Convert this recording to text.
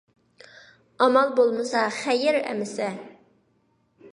ئامال بولمىسا، خەير ئەمىسە!